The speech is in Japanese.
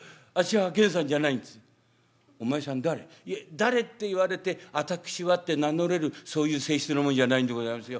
「いえ誰って言われて『私は』って名乗れるそういう性質のもんじゃないんでございますよ。